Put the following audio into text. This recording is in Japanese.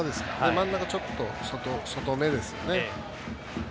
真ん中ちょっと外めですよね。